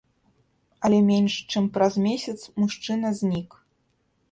Але менш чым праз месяц мужчына знік.